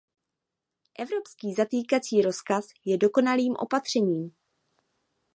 Evropský zatýkací rozkaz je dokonalým opatřením.